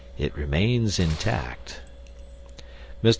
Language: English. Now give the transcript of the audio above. "It remains intact." Mr.